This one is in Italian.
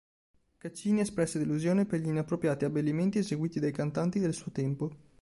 Caccini espresse delusione per gli inappropriati abbellimenti eseguiti dai cantanti del suo tempo.